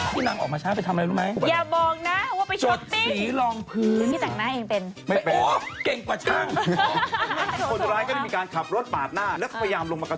พูดยังไงโอ๊ยกันฉันจะด่าอะไรฉันน่ะ